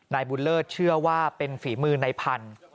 นายบุญเลิศเชื่อว่าเป็นฝีมือนายพันธุ์